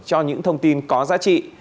cho những thông tin có giá trị